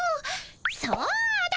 そうだ！